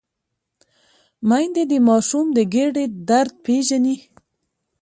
میندې د ماشوم د ګیډې درد پېژني۔